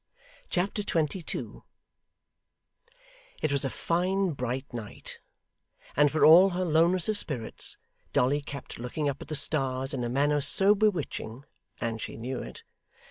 Chapter 22 It was a fine bright night, and for all her lowness of spirits Dolly kept looking up at the stars in a manner so bewitching (and SHE knew it!)